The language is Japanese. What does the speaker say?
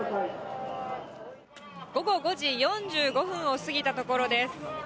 午後５時４５分を過ぎたところです。